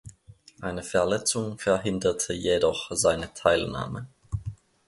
Eine Verletzung verhinderte jedoch seine Teilnahme.